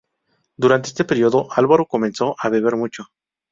Durante este período, Alvarado comenzó a beber mucho.